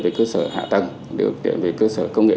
về cơ sở hạ tầng điều kiện về cơ sở công nghệ